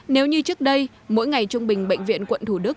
nếu như trước đây mỗi ngày trung bình bệnh viện quận thủ đức